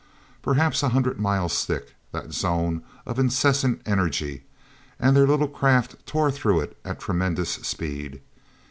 Perhaps a hundred miles thick, that zone of incessant energy, and their little craft tore through it at tremendous speed.